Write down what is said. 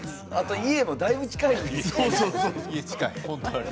家もだいぶ近いですよね。